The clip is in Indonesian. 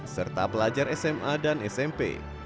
serta pelajar sma dan smp